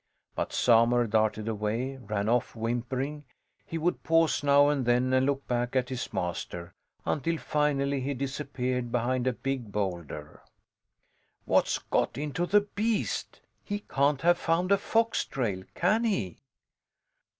But Samur darted away, ran off whimpering; he would pause now and then and look back at his master, until finally he disappeared behind a big boulder. What's got into the beast? He can't have found a fox trail, can he?